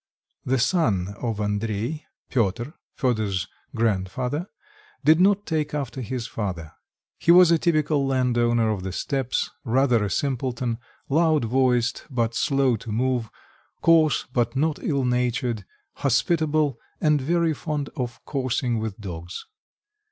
The son of Andrei, Piotr, Fedor's grandfather, did not take after his father; he was a typical landowner of the steppes, rather a simpleton, loud voiced, but slow to move, coarse but not ill natured, hospitable and very fond of coursing with dogs.